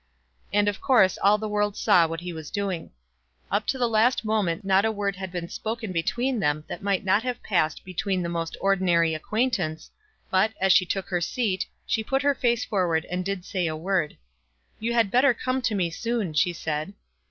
And of course all the world saw what he was doing. Up to the last moment not a word had been spoken between them that might not have passed between the most ordinary acquaintance, but, as she took her seat, she put her face forward and did say a word. "You had better come to me soon," she said.